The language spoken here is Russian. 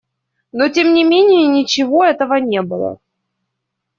Но тем не менее ничего этого не было.